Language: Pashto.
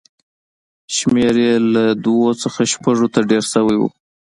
شمېر یې له دوو څخه شپږو ته ډېر شوی و.